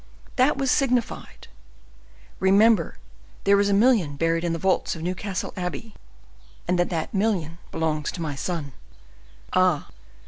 That was signified. 'Remember there is a million buried in the vaults of Newcastle Abbey, and that that million belongs to my son.'" "Ah!